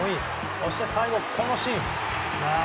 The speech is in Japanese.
そして最後、このシーン。